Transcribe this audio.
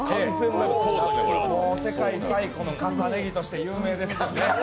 もう世界最古の重ね着として有名ですよね。